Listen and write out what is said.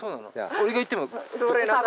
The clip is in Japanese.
俺が言っても。